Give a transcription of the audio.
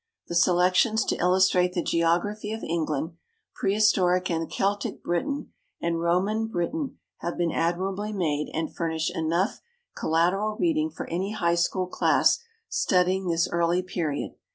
The selections to illustrate the geography of England, prehistoric and Celtic Britain, and Roman Britain have been admirably made and furnish enough collateral reading for any high school class studying this early period.